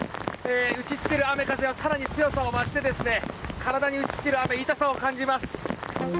打ちつける雨、風は更に威力を増して体に打ちつける雨痛さを感じます。